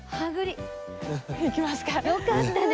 よかったね